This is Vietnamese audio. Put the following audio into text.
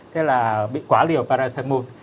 thế là bị quá liều paracetamol